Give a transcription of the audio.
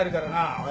おい。